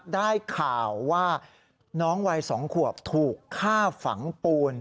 ได้ข่าวว่าน้องวัย๒ขวบถูกฆ่าฝังปูน